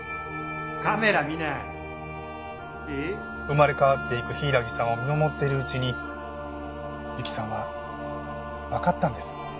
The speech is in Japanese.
生まれ変わっていく柊さんを見守っているうちに由紀さんはわかったんです。